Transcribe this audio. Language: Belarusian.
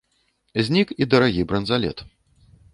Знік і дарагі бранзалет.